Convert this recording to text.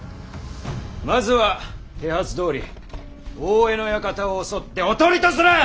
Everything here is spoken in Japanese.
まずは手はずどおり大江の館を襲っておとりとする！